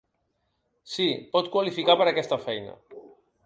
Si, pot qualificar per aquesta oferta.